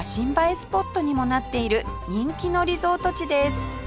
スポットにもなっている人気のリゾート地です